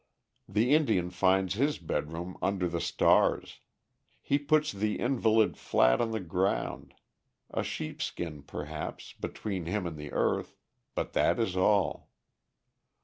The Indian finds his bedroom under the stars. He puts the invalid flat on the ground, a sheepskin, perhaps, between him and the earth, but that is all.